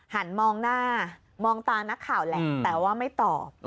หันมองหน้ามองตานักข่าวแหละแต่ว่าไม่ตอบ